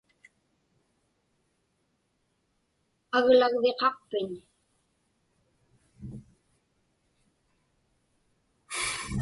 Aglagviqaqpiñ?